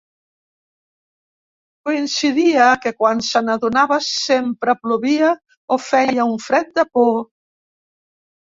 Coincidia que quan se n'adonava sempre plovia o feia un fred de por.